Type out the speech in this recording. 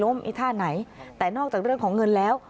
ลูกไปล้มไอ้ท่านไหนแต่นอกจากเรื่องของเงินแล้ว